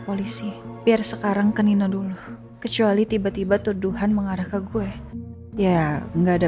polisi biar sekarang ke nina dulu kecuali tiba tiba tuduhan mengarah ke gue ya enggak ada